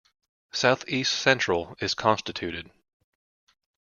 South East Central is constituted.